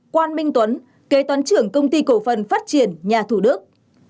quan minh tuấn kế toán trưởng công ty cổ phần phát triển nhà thủ đức